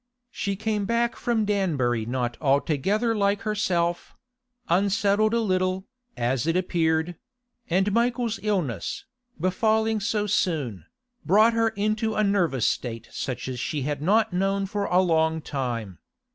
She came back from Danbury not altogether like herself; unsettled a little, as it appeared; and Michael's illness, befalling so soon, brought her into a nervous state such as she had not known for a long time.